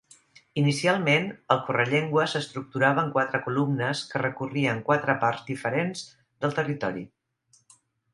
Inicialment, el Correllengua s'estructurava en quatre columnes que recorrien quatre parts diferents del territori.